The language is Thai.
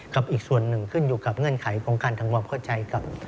อีกส่วนหนึ่งขึ้นอยู่กับเงื่อนไขของการทำความเข้าใจกับ